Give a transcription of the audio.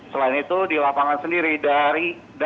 selain itu di lapangan sendiri dari